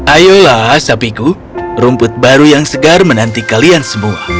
ayolah sapiku rumput baru yang segar menanti kalian semua